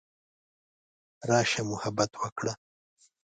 راشه محبت وکړه.